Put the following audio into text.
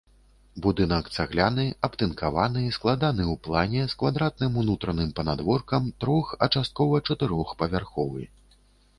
Будынак цагляны, абтынкаваны, складаны ў плане, з квадратным унутраным панадворкам, трох-, а часткова чатырохпавярховы.